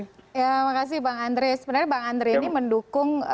sebenarnya bang andre ini mendukung